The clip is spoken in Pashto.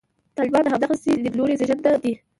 طالبان د همدغسې لیدلوري زېږنده دي.